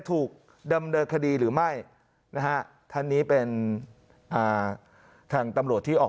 ถูกดำเนินคดีหรือไม่นะฮะท่านนี้เป็นอ่าทางตำรวจที่ออก